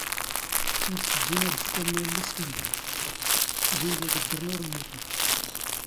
ⴰⵔ ⵜⵜⴷⴷⵓⵏ ⴰⵔ ⴷ ⴼⴼⴰⵍⵏ ⴰⵢⵍⵍⵉ ⵙⴽⵔⵏ, ⵣⵓⵏ ⴷ ⵉⴳ ⴷⴷⵔⵏ ⵓⵔ ⵎⵎⵓⵜⵏ.